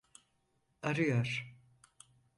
Arıyor.